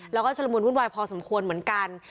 แล้วก็ชุดละมุนวุ่นวายพอสมควรเหมือนกัน